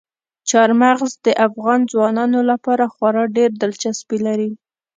چار مغز د افغان ځوانانو لپاره خورا ډېره دلچسپي لري.